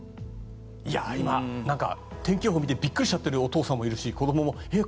今、天気予報見てビックリしちゃってるお父さんもいるし、子供もえ？